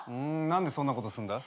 何でそんなことすんだ？